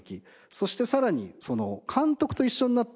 そしてさらに監督と一緒になって。